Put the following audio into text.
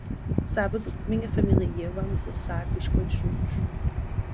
Sábado, minha família e eu vamos assar biscoitos juntos.